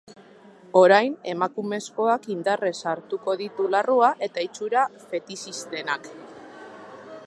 Orain, emakumezkoak indarrez hartuko ditu larrua eta itxura fetixistenak.